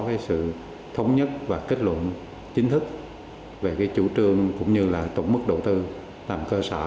cái sự thống nhất và kết luận chính thức về cái chủ trương cũng như là tổng mức đầu tư làm cơ sở